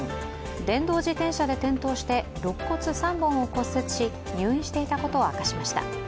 電動自転車で転倒してろっ骨３本を骨折し入院していたことを明かしました。